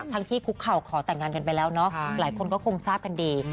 ที่คุกเข่าขอแต่งงานกันไปแล้วเนาะหลายคนก็คงทราบกันดี